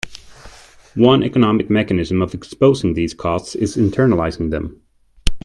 One economic mechanism of exposing these costs is internalizing them.